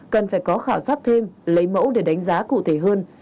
cần phải có khảo sát thêm lấy mẫu để đánh giá cụ thể hơn